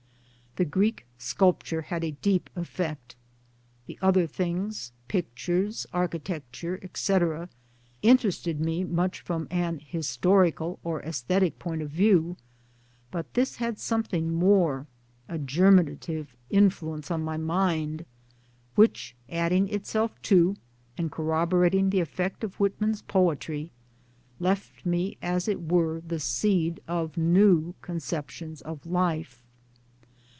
The Greek' sculpture had a deep effect. The other things, pictures, architecture, etc., interested me much from an historical or aesthetic point of view ; but this had something more, a germinative influence on my mind, which adding itself to and corroborating the effect of .Whitman's poetry, left with me as it were the seed of new conceptions of life.